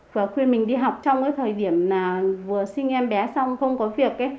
và khuyên mình đi học trong thời điểm vừa sinh em bé xong không có việc